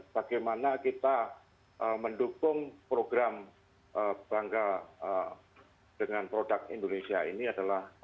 bagaimana kita mendukung program bangga dengan produk indonesia ini adalah